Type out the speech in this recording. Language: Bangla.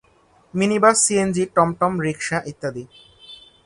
মিনিবাস, সিএনজি, টমটম, রিক্সা ইত্যাদি